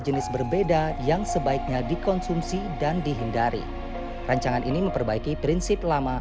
jenis berbeda yang sebaiknya dikonsumsi dan dihindari rancangan ini memperbaiki prinsip lama